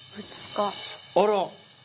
あら。